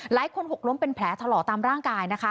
หลายคนหกล้มเป็นแผลทะเลาะตามร่างกายนะคะ